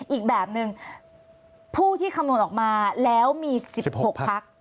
อีกแบบนึงผู้ที่คำนวณออกมาแล้วมี๑๖พัก